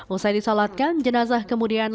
usai disalatkan jenazah kemudian langsung